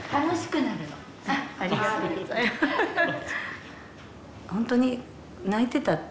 ありがとうございますハハハ。